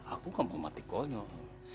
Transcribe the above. aku gak mau mati konyol